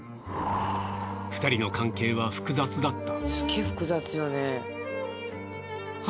２人の関係は複雑だった。